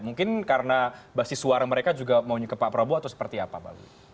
mungkin karena basis suara mereka juga mau nyukai pak prabowo atau seperti apa mbak bewi